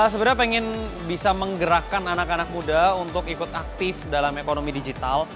sebenarnya pengen bisa menggerakkan anak anak muda untuk ikut aktif dalam ekonomi digital